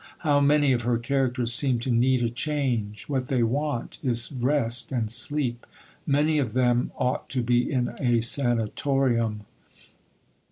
How many of her characters seem to need a change what they want is rest and sleep! Many of them ought to be in a sanatorium.